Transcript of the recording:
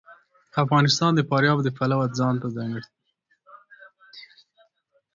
افغانستان د فاریاب د پلوه ځانته ځانګړتیا لري.